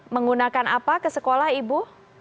menggunakan apa ke sekolah ibu